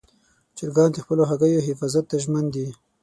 چرګان د خپلو هګیو حفاظت ته ژمن دي.